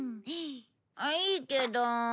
いいけど。